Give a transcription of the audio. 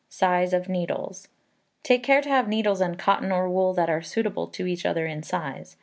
Size of Needles. Take care to have needles and cotton or wool that are suitable to each other in size.